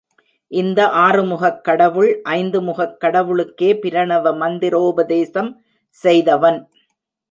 இந்த ஆறுமுகக் கடவுள் ஐந்து முகக் கடவுளுக்கே பிரணவ மந்திரோபதேசம் செய்தவன்.